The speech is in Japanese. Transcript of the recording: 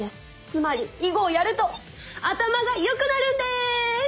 つまり囲碁をやると頭がよくなるんです！